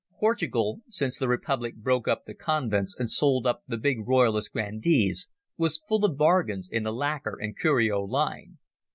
Portugal, since the republic broke up the convents and sold up the big royalist grandees, was full of bargains in the lacquer and curio line.